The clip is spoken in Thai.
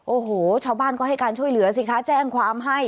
โอ้โหชาวบ้านก็ให้การช่วยเหลือสิคะแจ้งความให้